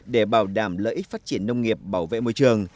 để bảo đảm lợi ích phát triển nông nghiệp bảo vệ môi trường